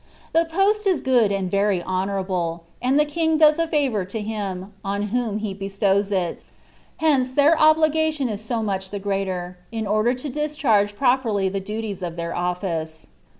The post is good and very honourable, and the king does a favour to him, on whom he bestows it : hence their obligation is so much the greater, in order to discharge properly the duties of their office.